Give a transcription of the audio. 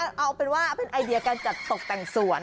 เอาเป็นว่าเป็นไอเดียการจัดตกแต่งสวน